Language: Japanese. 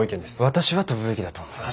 私は飛ぶべきだと思います。